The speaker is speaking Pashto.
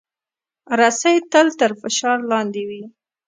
رسۍ تل تر فشار لاندې وي.